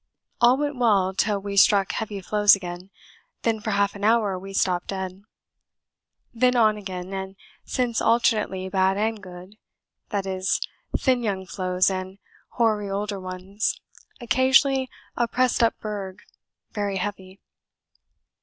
All went well till we struck heavy floes again, then for half an hour we stopped dead. Then on again, and since alternately bad and good that is, thin young floes and hoary older ones, occasionally a pressed up berg, very heavy.